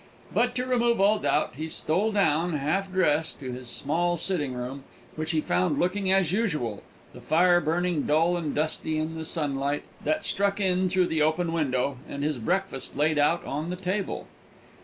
But to remove all doubt, he stole down, half dressed, to his small sitting room, which he found looking as usual the fire burning dull and dusty in the sunlight that struck in through the open window, and his breakfast laid out on the table.